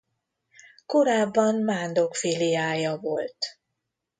Korábban Mándok filiája volt.